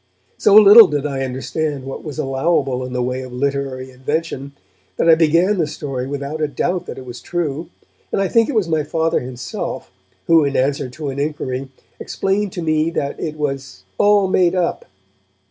So little did I understand what was allowable in the way of literary invention that I began the story without a doubt that it was true, and I think it was my Father himself who, in answer to an inquiry, explained to me that it was 'all made up'.